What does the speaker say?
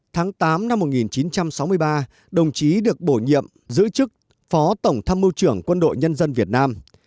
tháng tám năm một nghìn chín trăm sáu mươi ba đồng chí được bổ nhiệm giữ chức phó tổng tham mưu trưởng quân đội nhân dân việt nam